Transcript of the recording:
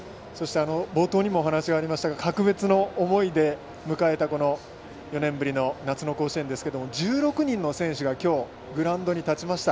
冒頭にもお話がありましたが格別の思いで迎えた４年ぶりの夏の甲子園ですが１６人の選手がきょうグラウンドに立ちました。